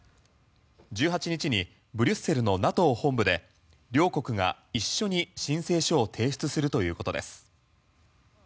１８日にブリュッセルのＮＡＴＯ本部で両国が一緒に申請書を提出するということです。